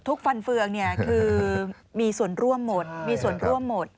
ฟันเฟืองคือมีส่วนร่วมหมดมีส่วนร่วมหมด